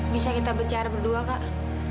bisa kita bicara berdua kak